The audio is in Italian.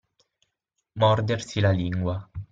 Mordersi la lingua.